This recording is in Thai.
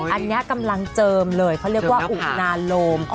อันนี้กำลังเจิมเลยเขาเรียกว่าอุนาโลม